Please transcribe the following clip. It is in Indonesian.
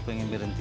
ya pengen berhenti